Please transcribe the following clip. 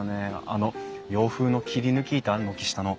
あの洋風の切り抜き板軒下の。